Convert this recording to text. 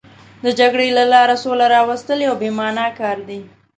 د جګړې له لارې سوله راوستل یو بې معنا کار دی.